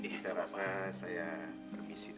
saya rasa saya permisi dulu